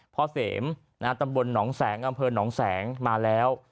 พ่อเสมนะฮะตำบลหนองแสงอำเภิญหนองแสงมาแล้ว